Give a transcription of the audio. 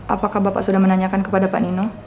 apakah bapak sudah menanyakan kepada pak nino